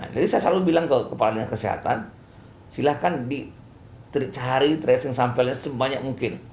jadi saya selalu bilang ke kepala dengan kesehatan silahkan dicari tracing sampelnya sebanyak mungkin